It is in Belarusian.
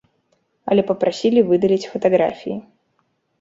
Але папрасілі выдаліць фатаграфіі.